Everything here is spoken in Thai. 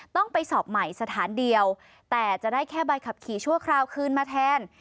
ต้องไปสอบใหม่สถานเดียวแต่จะได้แค่ใบขับขี่ชั่วคราวคืนมาแทน